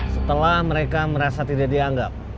setelah mereka merasa tidak dianggap